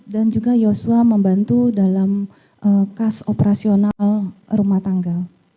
dan juga yosua membantu dalam kas operasional rumah tangga